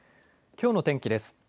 きょうの天気です。